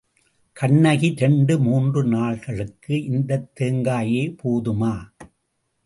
கண்ணகி, இரண்டு மூன்று நாள்களுக்கு இந்தத் தேங்காயே போதுமா?